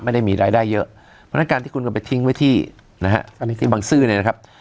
ไม่ได้มีรายได้เยอะเพราะฉะนั้นการที่คุณก็ไปทิ้งไว้ที่นะฮะอันนี้ที่บังซื้อเนี่ยนะครับ